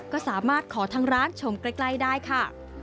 ก็สามารถขอทางร้านชมใกล้ได้ค่ะ